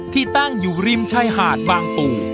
ที่ตั้งอยู่ริมชายหาดบางปู่